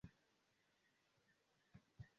Post lernado ŝi laboris en diversaj laborejoj.